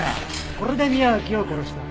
これで宮脇を殺した。